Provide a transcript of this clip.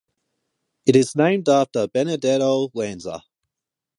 It is named after Benedetto Lanza.